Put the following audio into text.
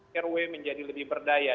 airway menjadi lebih berdaya